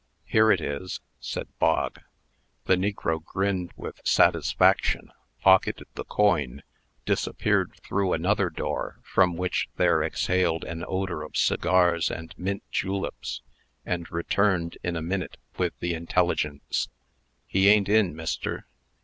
"Here it is," said Bog. The negro grinned his satisfaction, pocketed the coin, disappeared through another door from which there exhaled an odor of cigars and mint juleps, and returned, in a minute, with the intelligence, "He a'n't in, Mister.